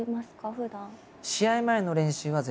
ふだん。